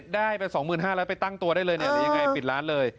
ได้ไป๒๕๐๐๐บาทแล้วไปตั้งตัวได้เลยหรือยังไงปิดร้านเลย